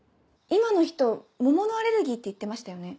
今の人桃のアレルギーって言ってましたよね？